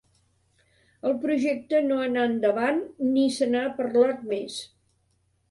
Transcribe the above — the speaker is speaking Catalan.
El projecte no anà endavant ni se n'ha parlat més.